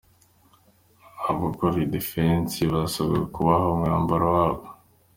Abarokolidifensi barasabwa kubaha umwambaro wabo